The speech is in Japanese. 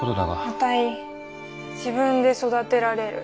あたい自分で育てられる。